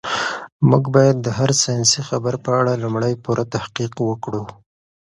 موږ باید د هر ساینسي خبر په اړه لومړی پوره تحقیق وکړو.